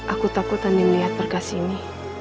aku takut hanya melihat berkas ini